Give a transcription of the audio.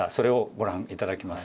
ご覧いただきます。